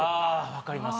わかります。